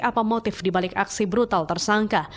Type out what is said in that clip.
apa motif dibalik aksi brutal tersangka